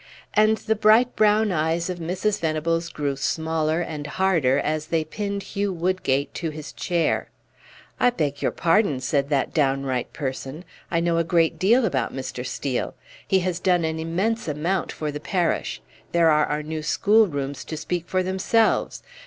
And the bright brown eyes of Mrs. Venables grew smaller and harder as they pinned Hugh Woodgate to his chair. "I beg your pardon," said that downright person; "I know a great deal about Mr. Steel. He has done an immense amount for the parish; there are our new schoolrooms to speak for themselves.